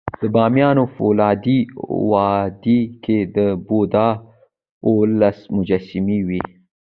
د بامیانو فولادي وادي کې د بودا اوولس مجسمې وې